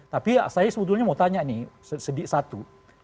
tapi saya sebetulnya mau tanya nih satu